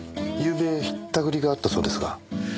ゆうべひったくりがあったそうですが。